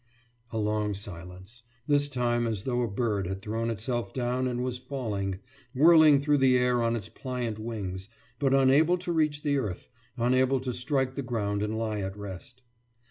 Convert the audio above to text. « A long silence this time as though a bird had thrown itself down and was falling, whirling through the air on its pliant wings, but unable to reach the earth, unable to strike the ground and lie at rest.